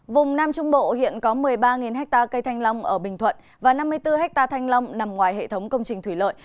vùng nam trung bộ hiện có một mươi ba ha cây thanh long ở bình thuận và năm mươi bốn hectare thanh long nằm ngoài hệ thống công trình thủy lợi